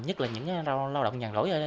nhất là những lao động nhằn rỗi